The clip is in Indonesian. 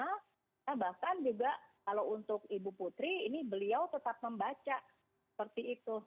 nah bahkan juga kalau untuk ibu putri ini beliau tetap membaca seperti itu